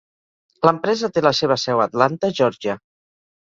L'empresa té la seva seu a Atlanta, Geòrgia.